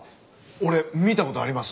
俺見た事あります。